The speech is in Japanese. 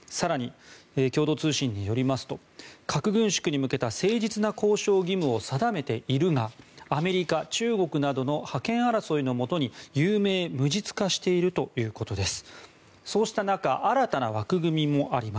更に共同通信によりますと核軍縮に向けた誠実な交渉義務を定めているがアメリカ、中国などの覇権争いのもとに有名無実化しているということです。